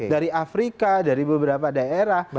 dari afrika dari beberapa daerah